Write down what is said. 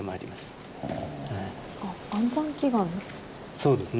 そうですね。